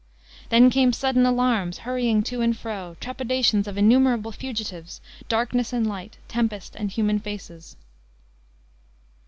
"Then came sudden alarms, hurrying to and fro; trepidations of innumerable fugitives; darkness and light; tempest and human faces."